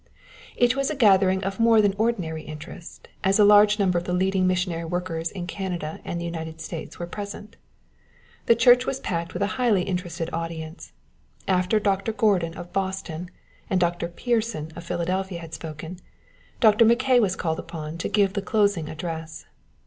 It was a gathering of more than ordinary interest, as a large number of the leading missionary workers in Canada and the United States were present. The church was packed with a highly interested audience. After Dr. Gordon of Boston and Dr. Pierson of Philadelphia had spoken, Dr. Mackay was called upon to give the closing address.